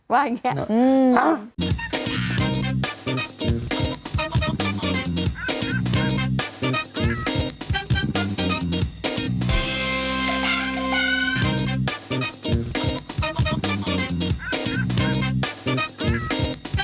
ว่าอย่างนี้